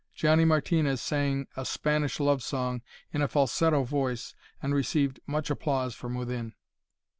Johnny Martinez sang a Spanish love song in a falsetto voice, and received much applause from within.